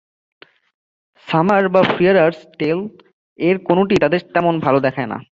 সামারার বা ফ্রিয়ার'স টেল-এর কোনটিই তাদের তেমন ভালো দেখায় না।